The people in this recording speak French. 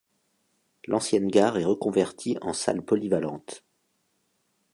L'ancienne gare est reconvertie en salle polyvalente.